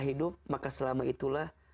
hidup maka selama itulah